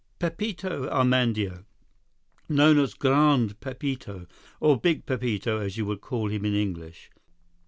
"Pepito Armandeo, known as Grande Pepito, or Big Pepito, as you would call him in English.